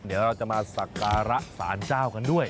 เดี๋ยวเราจะมาสักการะสารเจ้ากันด้วย